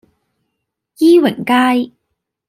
伊榮街